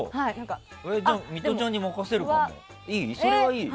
ミトちゃんに任せるかも。